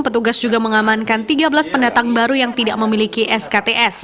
petugas juga mengamankan tiga belas pendatang baru yang tidak memiliki skts